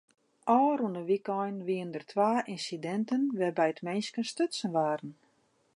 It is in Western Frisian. Ofrûne wykein wiene der twa ynsidinten wêrby't minsken stutsen waarden.